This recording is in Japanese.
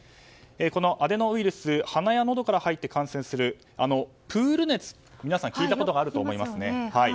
このアデノウイルス鼻やのどから入って感染するプール熱って皆さん聞いたことがありますよね。